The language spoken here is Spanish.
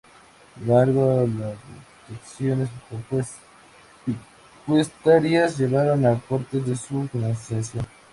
Sin embargo, las restricciones presupuestarias llevaron a cortes en su financiación.